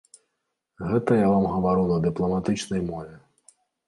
Гэта я вам гавару на дыпламатычнай мове.